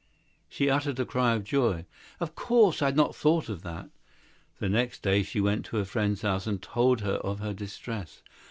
She uttered a cry of joy: "True! I never thought of it." The next day she went to her friend and told her of her distress.